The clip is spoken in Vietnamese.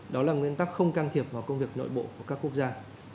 đó là nguyên tắc không can thiệp vào công việc nội bộ của các quốc gia